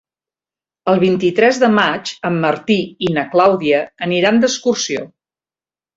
El vint-i-tres de maig en Martí i na Clàudia aniran d'excursió.